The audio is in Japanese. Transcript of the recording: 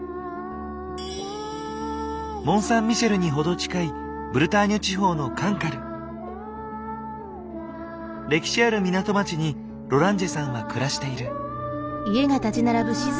モン・サン・ミシェルにほど近いブルターニュ地方の歴史ある港町にロランジェさんは暮らしている。